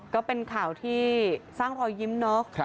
ก็เป็นข่าวที่สร้างรอยยิ้มเนาะ